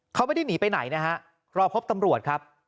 เขาไม่ได้หนีไปไหนนะฮะรอพบตำรวจครับ